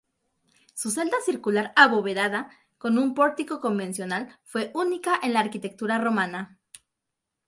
Su celda circular abovedada con un pórtico convencional fue única en la arquitectura romana.